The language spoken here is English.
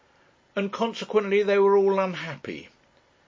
And consequently they were all unhappy.